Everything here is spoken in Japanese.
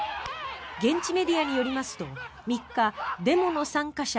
現地メディアによりますと３日デモの参加者